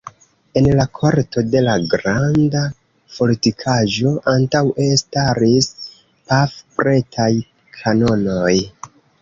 En la korto de la granda fortikaĵo antaŭe staris pafpretaj kanonoj.